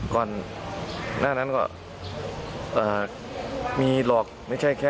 ก็เลยตามไปที่บ้านไม่พบตัวแล้วค่ะ